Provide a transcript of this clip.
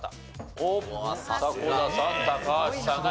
おっ迫田さん高橋さんが３つ。